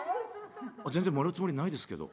「あ全然もらうつもりないですけど」。